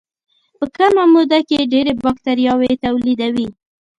په کمه موده کې ډېرې باکتریاوې تولیدوي.